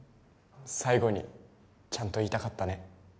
最後にちゃんと言いたかったね